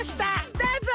どうぞ！